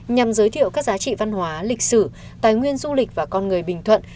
nhằm giới thiệu các giá trị văn hóa lịch sử tài nguyên du lịch và con người bình thuận